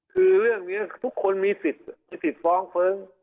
คือเรื่องนี้ทุกคนมีสิทธิ์มีสิทธิ์ฟ้องเฟิ้ง